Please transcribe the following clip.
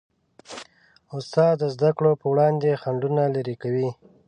استاد د زدهکړو په وړاندې خنډونه لیرې کوي.